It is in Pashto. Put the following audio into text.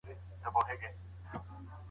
ټولنپوهنه موږ ته د ټولنې بصیرت راکوي.